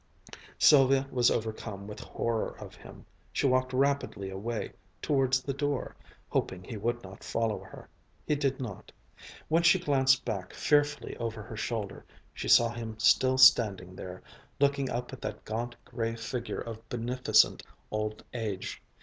Sylvia was overcome with horror of him. She walked rapidly away, towards the door, hoping he would not follow her. He did not. When she glanced back fearfully over her shoulder, she saw him still standing there, looking up at the gaunt gray figure of beneficent old age.